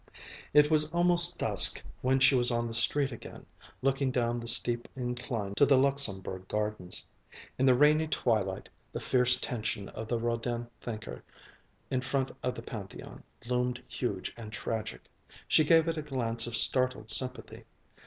It was almost dusk when she was on the street again, looking down the steep incline to the Luxembourg Gardens. In the rainy twilight the fierce tension of the Rodin "Thinker" in front of the Pantheon loomed huge and tragic. She gave it a glance of startled sympathy.